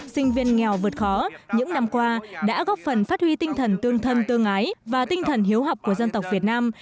sinh viên nghèo vượt khó những năm qua đã góp phần phát huy tinh thần tương thân tương ái và tinh thần hiếu học của dân tộc việt nam